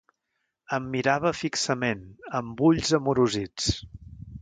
Em mirava fixament, amb ulls amorosits.